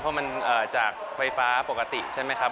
เพราะมันจากไฟฟ้าปกติใช่ไหมครับ